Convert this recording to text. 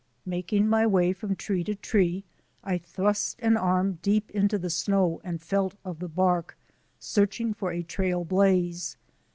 Making my way from tree to tree I thrust an arm deep into the snow and felt of the bark, searching for a trail blaze.